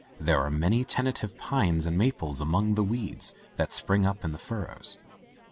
There are many tentative pines and maples among the weeds that spring up in the furrows.